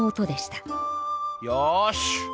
よし！